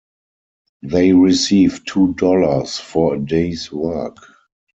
They received two dollars for a day's work.